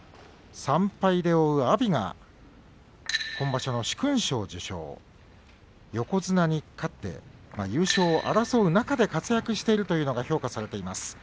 ３敗で追う阿炎が今場所の殊勲賞を受賞横綱に勝って優勝を争う中で活躍しているというのが評価されています。